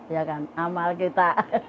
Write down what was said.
ya kan amal kita